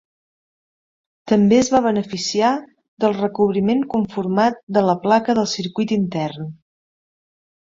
També es va beneficiar del recobriment conformat de la placa de circuit intern.